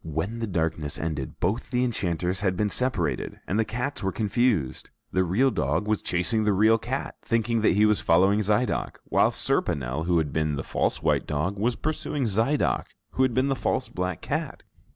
When the darkness ended, both the enchanters had been separated and the cats were confused, the real dog was chasing the real cat, thinking that he was following Zidoc, while Serponel, who had been the false white dog, was pursuing Zidoc, who had been the false black cat!